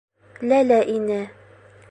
Ләлә инә.